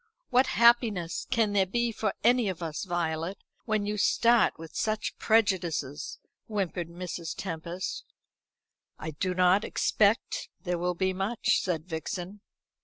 "What happiness can there be for any of us, Violet, when you start with such prejudices?" whimpered Mrs. Tempest. "I do not expect there will be much," said Vixen.